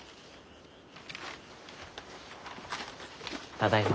ただいま。